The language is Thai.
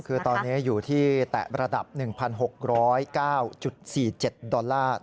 คือตอนนี้อยู่ที่แตะระดับ๑๖๐๙๔๗ดอลลาร์